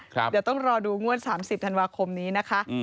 เดี๋ยวต้องรอดูงวด๓๐ธันวาคมนี้นะคะ